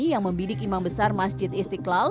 yang membidik imam besar masjid istiqlal